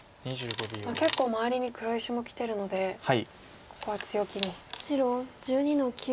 結構周りに黒石もきてるのでここは強気に。